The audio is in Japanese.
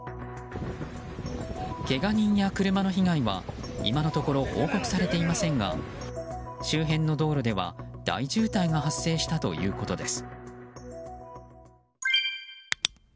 けが人や車の被害は今のところ報告されていませんが周辺の道路では大渋滞が発生したということです。